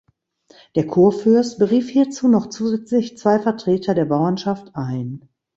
Der Kurfürst berief hierzu noch zusätzlich zwei Vertreter der Bauernschaft ein.